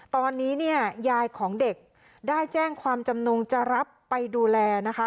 ตอนนี้เนี่ยยายของเด็กได้แจ้งความจำนงจะรับไปดูแลนะคะ